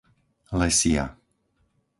Lesia